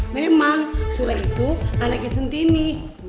memang sule itu anaknya centini